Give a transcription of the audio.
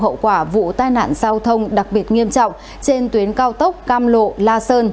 hậu quả vụ tai nạn giao thông đặc biệt nghiêm trọng trên tuyến cao tốc cam lộ la sơn